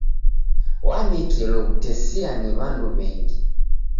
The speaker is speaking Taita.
Wanekelo w'utesia ni w'andu w'engi.